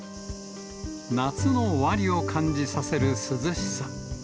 夏の終わりを感じさせる涼しさ。